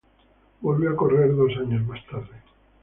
Volvió a correr dos años más tarde.